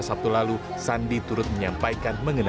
sabtu lalu sandi turut menyampaikan